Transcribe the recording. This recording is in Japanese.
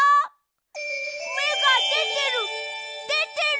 めがでてる！